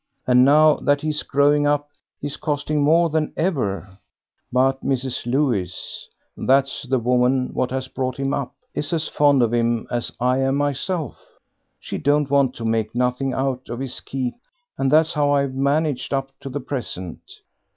And now that he's growing up he's costing more than ever; but Mrs. Lewis that's the woman what has brought him up is as fond of him as I am myself. She don't want to make nothing out of his keep, and that's how I've managed up to the present.